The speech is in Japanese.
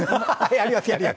やります。